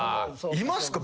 いますか？